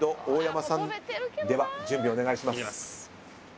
では準備お願いします。